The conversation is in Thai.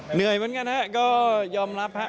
เหนื่อยเหมือนกันฮะก็ยอมรับฮะ